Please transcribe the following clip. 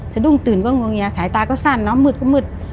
สะดุ้งตื่นก็งวงเงียสายตาก็สั้นเนาะมืดก็มืด